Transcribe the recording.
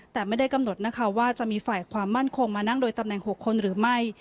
แต่ไม่ได้กำหนดนะคะว่าจะมีฝ่ายความมั่นคงมานั่งโดยตำแหน่ง๖คนหรือไม่